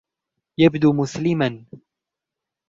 يبدو مسلما.